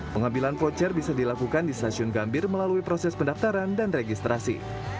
pengambilan voucher bisa dilakukan di stasiun gambir melalui proses pendaftaran dan registrasi